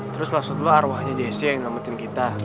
terus maksud lo arwahnya jessi yang ngelamatin kita